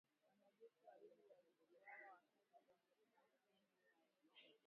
Wanajeshi wawili waliuawa wakati wa mapigano hayo